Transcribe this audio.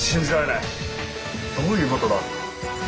どういうことだ？